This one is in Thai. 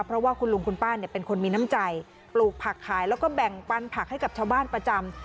เพราะว่าคุณลุงคุณป้าเนี่ยเป็นคนมีน้ำใจปลูกผักขายแล้วก็แบ่งปันผักให้กับชาวบ้านประจำ